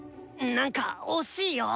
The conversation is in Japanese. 何か惜しいよ！